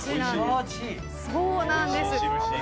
そうなんです。